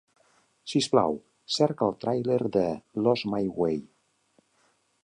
Sisplau, cerca el tràiler de Lost My Way.